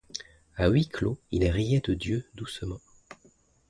À huis clos il riait de Dieu doucement.